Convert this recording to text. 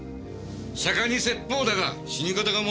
釈迦に説法だが死に方が問題だ。